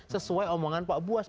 sesuai omongan pak buas